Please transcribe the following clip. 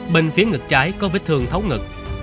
bên phía ngực trái có vết thương thấu ngực